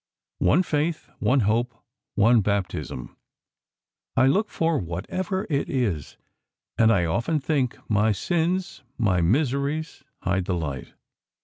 One faith, one hope, one baptism, I look for, whatever it is, and I often think my sins, my miseries, hide the light.